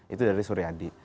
itu dari suryadi